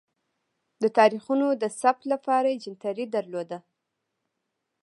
د تاریخونو د ثبت لپاره جنتري درلوده.